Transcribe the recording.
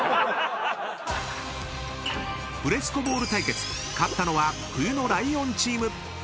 ［フレスコボール対決勝ったのは冬のライオンチーム］